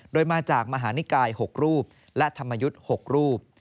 โดยมาจากมหานิกาย๖รูปและธรรมยุทธ์๖รูป